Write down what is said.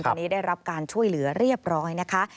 ตอนนี้ได้รับการช่วยเหลือเรียบร้อยนะคะ